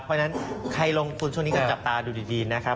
เพราะฉะนั้นใครลงทุนช่วงนี้ก็จับตาดูดีนะครับ